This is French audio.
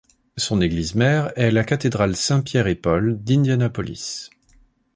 Son église-mère est la cathédrale Saints-Pierre-et-Paul d'Indianapolis.